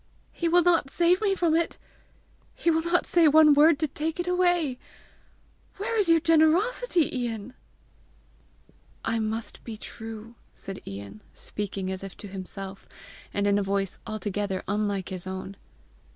He will not save me from it! he will not say one word to take it away! Where is your generosity, Ian?" "I must be true!" said Ian, speaking as if to himself, and in a voice altogether unlike his own.